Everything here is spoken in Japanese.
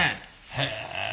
へえ！